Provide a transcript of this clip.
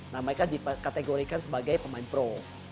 nah mereka dikategorikan sebagai pemain pro